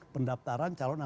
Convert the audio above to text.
pendaptaran calon amal